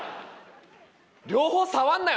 両方触るなよ！